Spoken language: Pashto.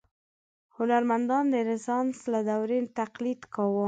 هنرمندانو د رنسانس له دورې تقلید کاوه.